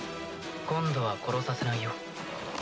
今度は殺させないよ。